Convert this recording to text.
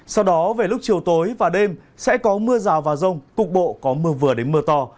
sau đó về lúc chiều tối và đêm sẽ có mưa rào và rông cục bộ có mưa vừa đến mưa to